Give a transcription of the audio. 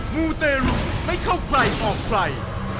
มูเตรุไม่เข้าใกล้ออกไฟ